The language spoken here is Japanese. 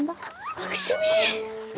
悪趣味！